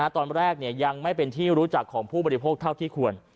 ตอนแรกยังไม่เป็นที่รู้จักของผู้บริโภคเท่าที่ควร